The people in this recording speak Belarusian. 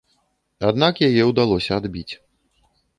Аднак яе ўдалося адбіць.